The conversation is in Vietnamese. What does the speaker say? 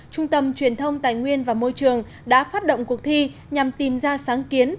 trung tâm truyền thông tài nguyên và môi trường đã phát động cuộc thi nhằm tìm ra sáng kiến